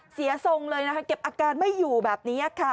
เสียทรงเลยนะคะเก็บอาการไม่อยู่แบบนี้ค่ะ